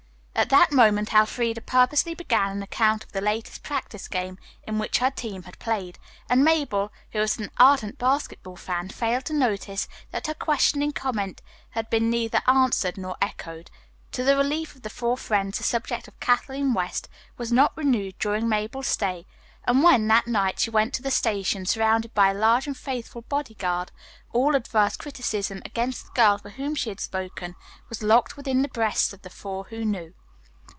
At that moment Elfreda purposely began an account of the latest practice game in which her team had played, and Mabel, who was an ardent basketball fan, failed to notice that her questioning comment had been neither answered nor echoed. To the relief of the four friends the subject of Kathleen West was not renewed during Mabel's stay, and when, that night, she went to the station surrounded by a large and faithful bodyguard, all adverse criticism against the girl for whom she had spoken was locked within the breasts of the four who knew.